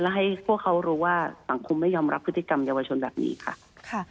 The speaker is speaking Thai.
และให้พวกเขารู้ว่าสังคมไม่ยอมรับพฤติกรรมเยาวชนแบบนี้ค่ะ